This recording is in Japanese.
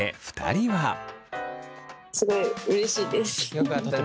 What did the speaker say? よかったね。